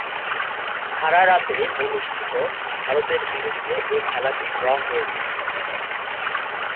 হারারেতে অনুষ্ঠিত ভারতের বিরুদ্ধে এ খেলাটি ড্র হয়েছিল।